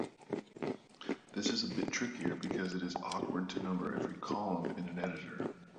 This is a bit trickier because it is awkward to number every column in an editor.